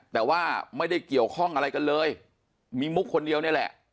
แต่ว่าไม่ได้เกี่ยวข้องอะไรกันเลยมีมุกคนเดียวนี่แหละ